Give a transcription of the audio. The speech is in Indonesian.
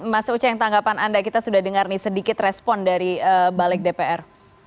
mas uceng tanggapan anda kita sudah dengar nih sedikit respon dari balik dpr